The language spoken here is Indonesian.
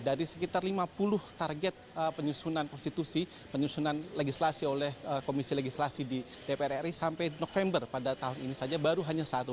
dari sekitar lima puluh target penyusunan konstitusi penyusunan legislasi oleh komisi legislasi di dpr ri sampai november pada tahun ini saja baru hanya satu